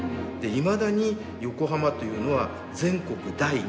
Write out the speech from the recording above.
いまだに横浜というのは全国第２位。